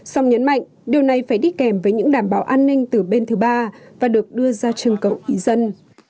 song nhấn mạnh điều này phải đi kèm với những đảm bảo an ninh từ bên thứ ba và được đưa ra trưng cầu ý dân